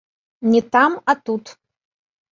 Не там, а тут.